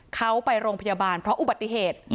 เขาไปโรงพยาบาลเพราะอุบัติเหตุ